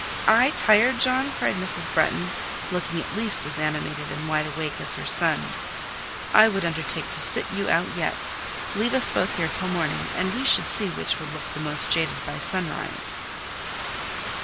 "I tired, John?" cried Mrs. Bretton, looking at least as animated and as wide awake as her son. "I would undertake to sit you out yet: leave us both here till morning, and we should see which would look the most jaded by sunrise."